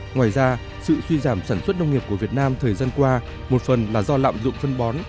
ngoài ra sự suy giảm sản xuất nông nghiệp của việt nam thời gian qua một phần là do lạm dụng phân bón